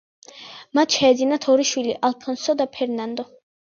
მათ შეეძნათ ორი შვილი ალფონსო და ფერნანდო.